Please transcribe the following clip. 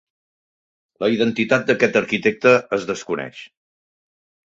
La identitat d"aquest arquitecte es desconeix.